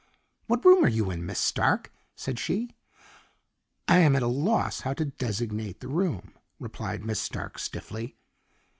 "What room are you in, Miss Stark?" said she. "I am at a loss how to designate the room," replied Miss Stark stiffly.